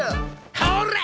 ほら！